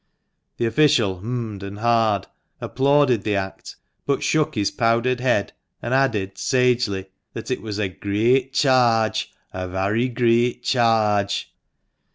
The official h'md and ha'd, applauded the act, but shook his powdered head, and added, sagely, that it was a "greeat charge, a varry greeat charge."